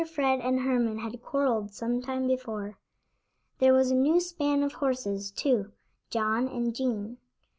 Fred and Herman had quarreled some time before. There was a new span of horses, too; John and Jean.